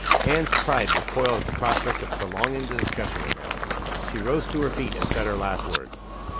Anne's pride recoiled at the prospect of prolonging the discussion with him. She rose to her feet, and said her last words.